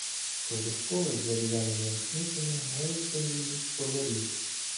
Коло школи з дерев'яними рушницями граються у війну школярі.